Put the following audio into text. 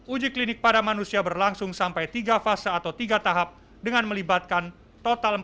uji klinik pada manusia berlangsung sampai tiga fase atau tiga tahap dengan melibatkan total